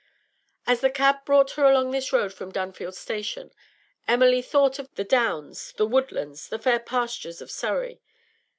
As the cab brought her along this road from Dunfield station, Emily thought of the downs, the woodlands, the fair pastures of Surrey.